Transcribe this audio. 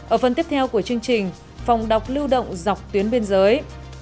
ở phần tiếp theo của chương trình phòng đọc lưu động dọc tuyến biên giới